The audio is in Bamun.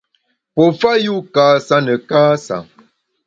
Pue fa yu kâsa ne kâsa.